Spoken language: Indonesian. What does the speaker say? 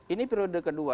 ini periode kedua